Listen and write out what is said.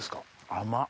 甘っ。